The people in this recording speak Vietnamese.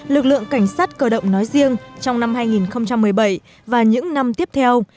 lực lượng cảnh sát cơ động nói riêng trong năm hai nghìn một mươi bảy và những năm tiếp theo